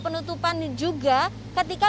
penutupan juga ketika